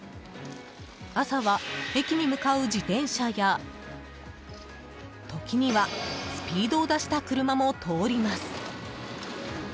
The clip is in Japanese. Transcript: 朝は、駅に向かう自転車や時にはスピードを出した車も通ります。